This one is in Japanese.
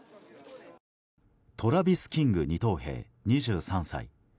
トラビス・キング二等兵２３歳。